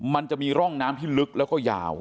มันจะมีร่องน้ำที่ลึกแล้วก็ยาว